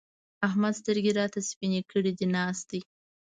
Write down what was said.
احمد سترګې راته سپينې کړې دي؛ ناست دی.